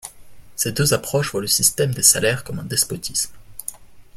Ces deux approchent voient le système des salaires comme un despotisme.